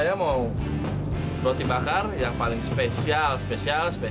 kamu salah ini raja